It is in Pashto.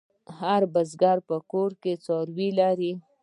هر بزگر په کور کې څاروي لري.